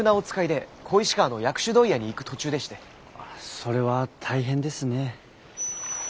それは大変ですね。